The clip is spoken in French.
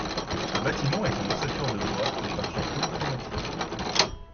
Le bâtiment est à ossature de bois, et peinture polychromatique.